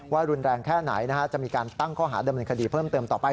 รุนแรงแค่ไหนจะมีการตั้งข้อหาดำเนินคดีเพิ่มเติมต่อไป